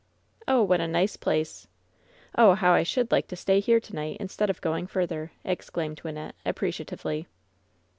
"Oh, what a nice place! Oh, how I should like to stay here to night, instead of going further I'' exclaimed Wynnette, appreciatively.